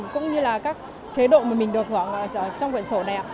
cũng như là các chế độ mà mình được hưởng trong quần sổ này